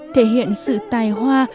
thể hiện sự tài hoa